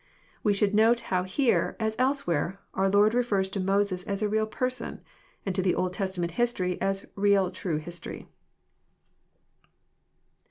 We should note how here, as elsewhere, our Lord refers to Moses as a real person, and to the Old Testament history as real true history.